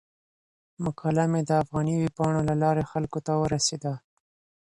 مقاله مې د افغاني ویبپاڼو له لارې خلکو ته ورسیده.